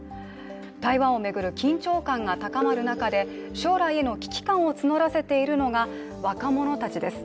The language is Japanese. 台湾を巡る緊張感が高まる中で将来への危機感を募らせているのが若者たちです。